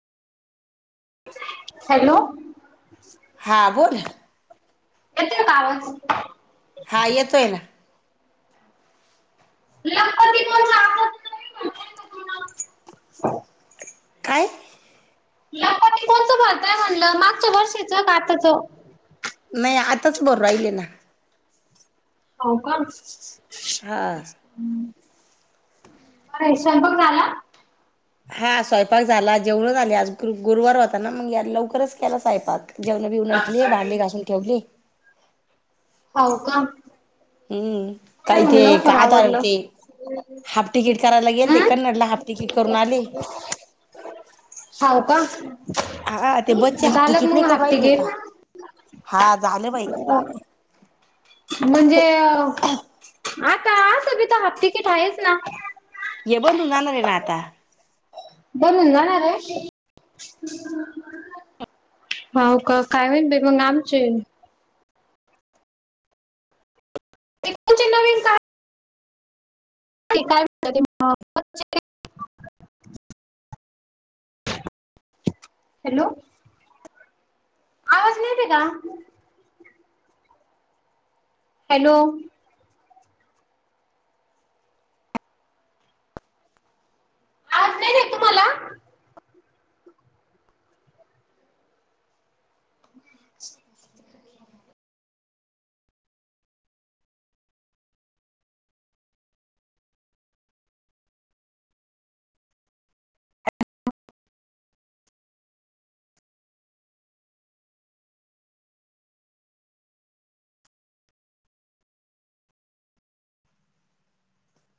Hello. हां बोलं. येतोय कां आवांज. हां येतोय नां. हम्मं कायं. लकनी तचं भात्रंय म्हणलं मागच्यां वर्षीच कां आमचं. नाहीं आताचं भरूं राहिले नां. होव कां. हा अयं स्वयंपाक झालां हां स्वयंपाक झालां, जेवणं झाले, आंज गुरुवार होतां नां मगं लवकरं. खरंच झालायं स्वयंपाक जेवणं, बिवन केले भांडी घासूंन ठेवले. होव कां. हम्मं, कायं ते, कायंतार आवरलं. ते. हांफ तिकीट करायला गेलं ती हम्म कडनं हांफ तिकीट करूंन आलें हाव का हां ते बच्चेे हांफ झालं का तिकिट मग नायं हाफ करूंन राहिले तिकीट? कां हां झालं बाई हां म्हणजे आंता असं बीता हांफ तिकीट आहेचं नां हे बंद होऊन जाणारं आहे नं आंता बनूंन जाणारं आहे हो कां कायं माहित मगं आमचे बिटकोचे नवीन कामं ते कायं म्हणतां ते हॅलो आंज नाईट आहे कां हॅलो आवांज नाहीं येतं आहे तुम्हांला हं